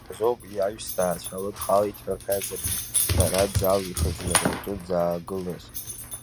Убри азоуп иаҩсҭаацәа лыдхалеит ҳәа рҳәазаргьы, лара дзалихыз, лара лҿы дзаагылаз.